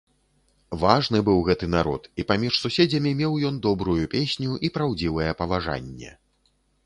Важны быў гэты народ, і паміж суседзямі меў ён добрую песню і праўдзівае паважанне.